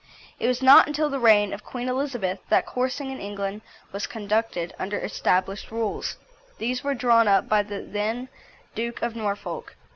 It was not until the reign of Queen Elizabeth that coursing in England was conducted under established rules. These were drawn up by the then Duke of Norfolk.